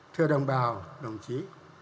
thưa đồng bào đồng chí